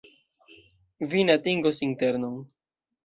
Vi ne atingos internon.